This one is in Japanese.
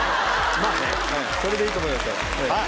まぁねそれでいいと思いますよ。